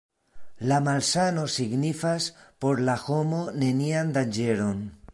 La malsano signifas por la homo nenian danĝeron.